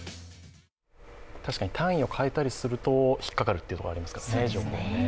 確かに単位を変えたりすると引っかかるということありますからね、情報は。